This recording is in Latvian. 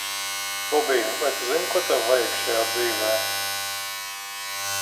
Bobij, vai tu zini, ko tev vajag šajā dzīvē?